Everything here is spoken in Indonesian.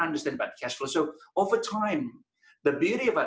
kembang uang saya tidak mengerti tentang kembang uang